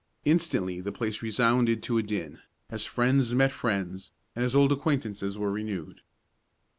Instantly the place resounded to a din, as friends met friends, and as old acquaintances were renewed.